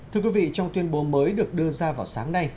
thưa quý vị trong tuyên bố mới được đưa ra vào sáng nay